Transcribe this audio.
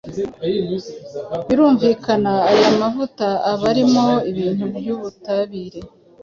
Birumvikana aya mavuta aba arimo ibintu by’ubutabire